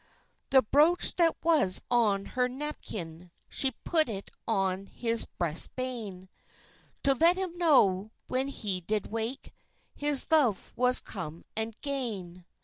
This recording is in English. The broach that was on her napkin, She put it on his breast bane, To let him know, when he did wake, His love was come and gane.